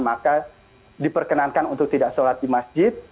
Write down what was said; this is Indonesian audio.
maka diperkenankan untuk tidak sholat di masjid